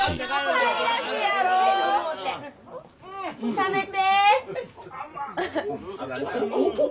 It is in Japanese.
食べて。